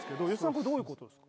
これどういうことですか？